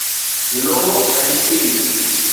لوهه ۽ اسٽيل